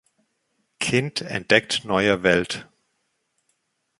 Kind entdeckt neue Welt